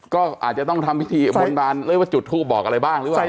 ก็อาจจะต้องทำพิธีบนบานหรือว่าจุดทูปบอกอะไรบ้างหรือเปล่า